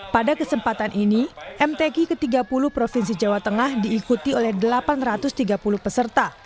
pada kesempatan ini mtk ke tiga puluh provinsi jawa tengah diikuti oleh delapan ratus tiga puluh peserta